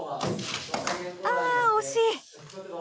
ああ惜しい！